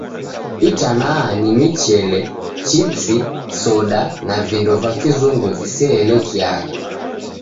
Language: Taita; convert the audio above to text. Itanaha ni michele, chipsi, soda, na vindo va Kizungu viseelekiagha.